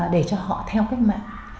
để cho họ theo cách mạng